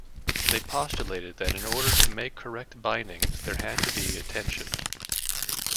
They postulated that in order to make correct bindings there had to be attention.